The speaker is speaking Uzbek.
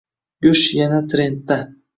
Go'sht yana trendda